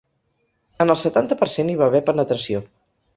En el setanta per cent hi va haver penetració.